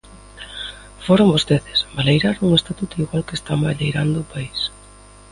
Foron vostedes ¡baleiraron o Estatuto igual que están baleirando o país!